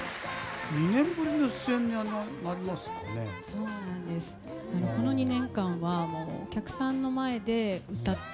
２年ぶりの出演になりますかね。